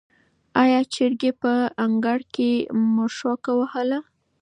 آیا چرګې په انګړ کې مښوکه وهله؟